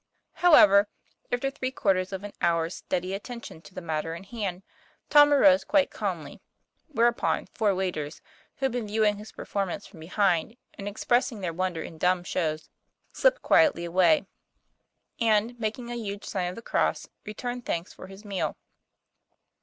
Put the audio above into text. However, after three quarters of an hour's steady attention to the matter in hand, Torn arose quite calmly (whereupon four waiters, who had been view ing his performance from behind, and expressing their wonder in dumb shows, slipped quietly away) and, making a huge sign of the cross, returned thanks for his meal.